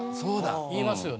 いいますよね。